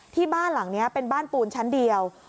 ที่บ้านหลังนี้เป็นบ้านปูนชั้นเดียว